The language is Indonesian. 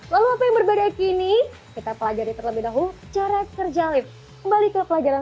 lalu apa yang berbeda kini kita pelajari terlebih dahulu cara kerja lift kembali ke pelajaran